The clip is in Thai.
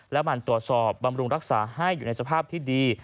และมันตรวจสอบบำรุงรักษาให้อยู่ในสภาพที่ดี